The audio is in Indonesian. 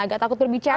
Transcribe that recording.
agak takut berbicara